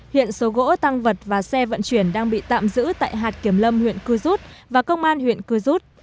hiện số gỗ tăng vật và xe vận chuyển đang bị tạm giữ tại hạt kiểm lâm huyện cư rút và công an huyện cư rút